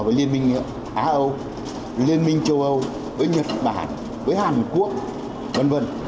với liên minh á âu liên minh châu âu với nhật bản với hàn quốc v v